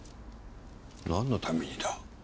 なんのためにだ？